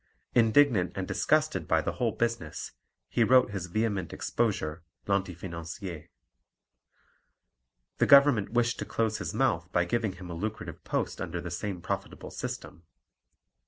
Indignant and disgusted by the whole business, he wrote his vehement exposure L'Antifinancier. The government wished to close his mouth by giving him a lucrative post under the same profitable system.